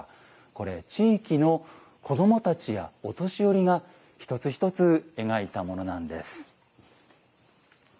これ、地域の子どもたちやお年寄りが一つ一つ描いたものなんです。